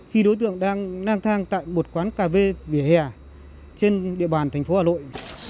khi đối tượng đang nang thang tại một quán cà phê vỉa hè trên địa bàn thành phố hà nội